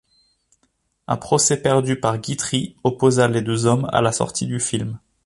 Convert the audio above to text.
Un procès, perdu par Guitry, opposa les deux hommes à la sortie du film.